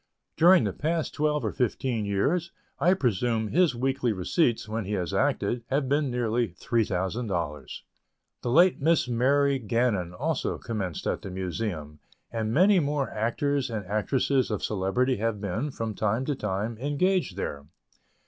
During the past twelve or fifteen years, I presume his weekly receipts, when he has acted, have been nearly $3,000. The late Miss Mary Gannon also commenced at the Museum, and many more actors and actresses of celebrity have been, from time to time, engaged there.